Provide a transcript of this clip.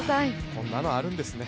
こんなのあるんですね。